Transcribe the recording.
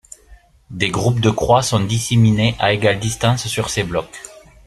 Des groupes de croix sont disséminés à égale distance sur ces blocs.